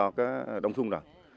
nó đã đông sung rồi